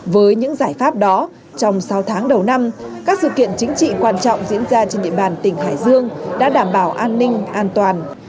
với những giải pháp đó trong sáu tháng đầu năm các sự kiện chính trị quan trọng diễn ra trên địa bàn tỉnh hải dương đã đảm bảo an ninh an toàn